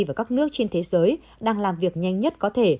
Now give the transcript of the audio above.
và các nước trên thế giới đang làm việc nhanh nhất có thể